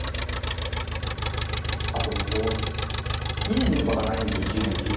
あとここいい逃げ場がないんですよね。